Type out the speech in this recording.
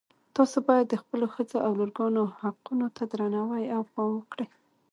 تاسو باید د خپلو ښځو او لورګانو حقونو ته درناوی او پام وکړئ